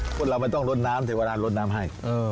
คนเราไม่ต้องลดน้ำเทวดาลดน้ำให้